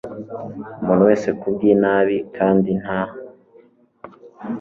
umuntu wese ku bw inabi kandi nta